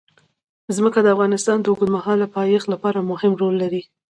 ځمکه د افغانستان د اوږدمهاله پایښت لپاره مهم رول لري.